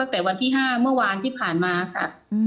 ตั้งแต่วันที่๕เมื่อวานที่ผ่านมาค่ะ